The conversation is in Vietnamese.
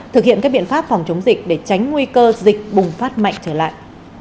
thực hiện các biện pháp phòng chống dịch để tránh nguy cơ dịch bùng phát mạnh trở lại